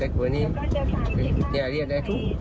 เด็กตัวนี้แย่เลี้ยนแดดชุด